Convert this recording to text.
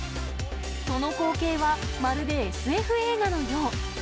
その光景は、まるでＳＦ映画のよう。